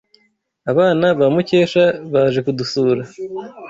abana ba mukesha baje kudusura